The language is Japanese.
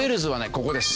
ここです。